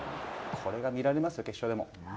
これが見られますよ、決勝でも。